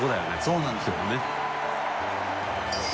そうなんですよ。